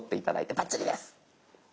バッチリです。